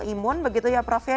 imun begitu ya prof ya